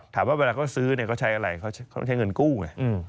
ถามว่าเวลาเขาซื้อเนี่ยเขาใช้อะไรเขาต้องใช้เงินกู้ไง